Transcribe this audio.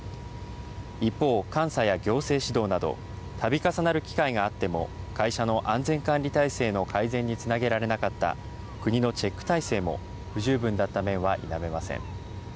一方、監査や行政指導などたび重なる機会があっても会社の安全管理体制の改善につなげられなかった国のチェック体制も不十分だった面は否めません。